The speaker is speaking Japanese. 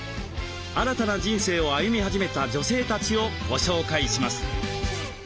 新たな人生を歩み始めた女性たちをご紹介します。